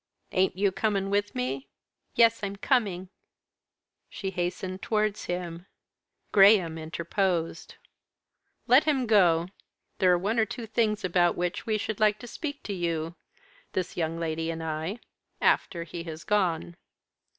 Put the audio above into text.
"Ain't you coming with me?" "Yes, I'm coming." She hastened towards him. Graham interposed. "Let him go. There are one or two things about which we should like to speak to you, this young lady and I, after he has gone."